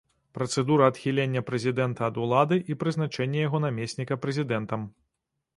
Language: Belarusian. Працэдура адхілення прэзідэнта ад улады і прызначэння яго намесніка прэзідэнтам.